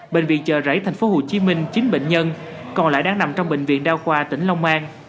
bệnh viện chợ rẫy tp hcm chín bệnh nhân còn lại đang nằm trong bệnh viện đa khoa tỉnh long an